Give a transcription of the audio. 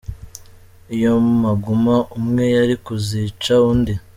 Iyo mpaguma umwe yari kuzica undi.